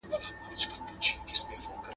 زه اوس انځور ګورم!